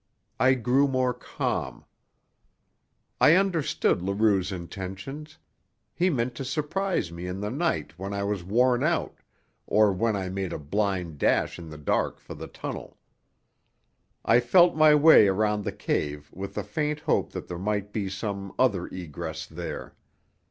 I grew more calm. I understood Leroux's intentions he meant to surprize me in the night when I was worn out, or when I made a blind dash in the dark for the tunnel. I felt my way around the cave with the faint hope that there might be some other egress there.